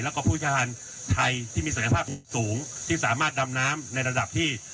แล้วก็ผู้ชาทานไทยที่มีศักยภาพสูงที่สามารถดำน้ำในระดับที่